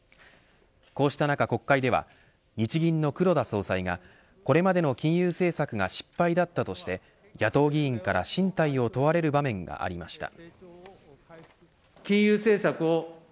こうした中、国会では日銀の黒田総裁がこれまでの金融政策が失敗だったとして野党議員から進退を問われる場面がありました。